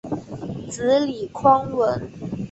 子李匡文。